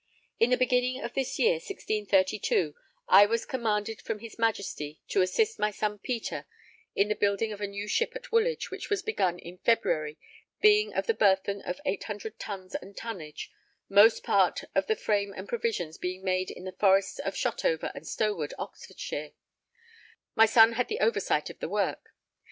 _In the beginning of this year, 1632, I was commanded from his Majesty to assist my son Peter in the building a new ship at Woolwich, which was begun in February, being of the burthen of 800 tons and tonnage; most part of the frame and provisions being made in the forests of Shotover and Stowood, Oxfordshire; my son had the oversight of the work.